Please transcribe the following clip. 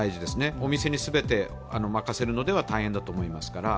お店に全て任せるのでは大変だと思いますから。